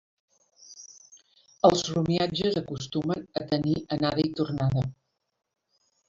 Els romiatges acostumen a tenir anada i tornada.